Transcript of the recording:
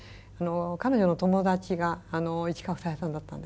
彼女の友達が市川房枝さんだったんです。